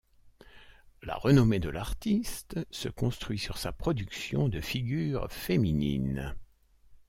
La renommée de l’artiste se construit sur sa production de figures féminines.